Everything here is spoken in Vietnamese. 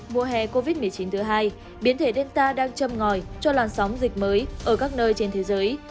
mùa hè covid một mươi chín thứ hai biến thể delta đang châm ngòi cho làn sóng dịch mới ở các nơi trên thế giới